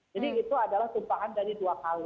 jadi itu adalah tumpangan dari dua kali